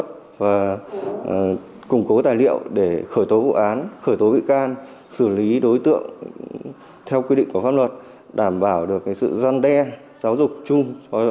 chúng tôi đã cung cố tài liệu để khởi tố vụ án khởi tố vị can xử lý đối tượng theo quy định của pháp luật đảm bảo được sự giăn đe giáo dục chung